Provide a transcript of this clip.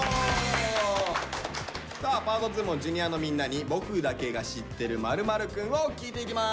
さあパート２もＪｒ．のみんなに「僕だけが知ってる○○くん」を聞いていきます！